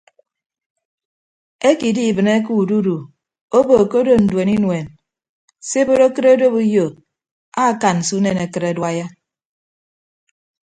Eke idibịneke ududu obo ke odo nduen inuen se ebot akịt odop uyo akan se unen akịt aduaiya.